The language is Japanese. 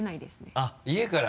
あっ家から？